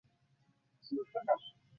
মনে হইল এই বালকটি যেন নির্মলার ভাই।